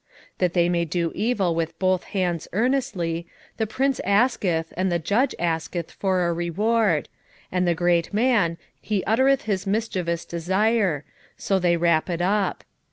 7:3 That they may do evil with both hands earnestly, the prince asketh, and the judge asketh for a reward; and the great man, he uttereth his mischievous desire: so they wrap it up.